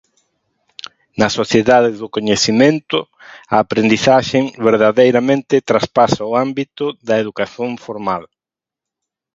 Na sociedade do coñecemento, a aprendizaxe, verdadeiramente, traspasa o ámbito da educación formal.